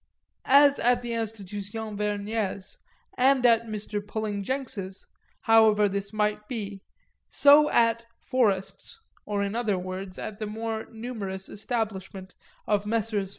As at the Institution Vergnès and at Mr. Pulling Jenks's, however this might be, so at "Forest's," or in other words at the more numerous establishment of Messrs.